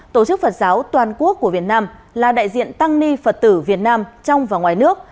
tổ chức phật giáo toàn quốc của việt nam là đại diện tăng ni phật tử việt nam trong và ngoài nước